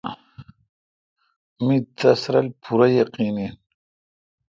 می تس رل پورہ یقین این۔